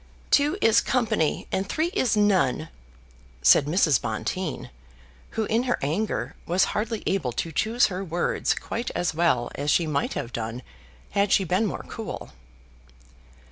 "Two is company, and three is none," said Mrs. Bonteen, who in her anger was hardly able to choose her words quite as well as she might have done had she been more cool.